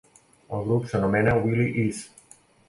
El grup s'anomena Willie Isz.